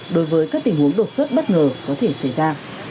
đối với các tình huống đột xuất bất ngờ có thể xảy ra